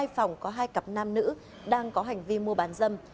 hai phòng có hai cặp nam nữ đang có hành vi mua bán dâm